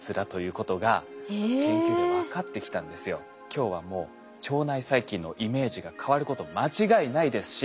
今日はもう腸内細菌のイメージが変わること間違いないですし。